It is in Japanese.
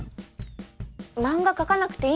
漫画描かなくていいんですか？